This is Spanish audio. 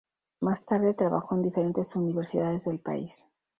Más tarde trabajó en diferentes universidades del país.